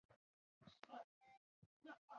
后来信众捐资兴建宫庙落成。